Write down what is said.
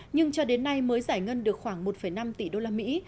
nhưng cho đến nay mới giải ngân được khoảng một năm tỷ đô la mỹ